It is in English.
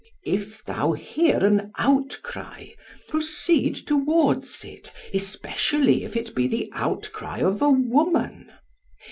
If thou hear an outcry, proceed towards it, especially if it be the outcry of a woman.